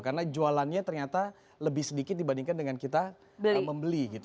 karena jualannya ternyata lebih sedikit dibandingkan dengan kita membeli gitu